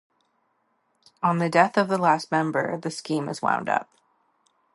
On the death of the last member, the scheme is wound up.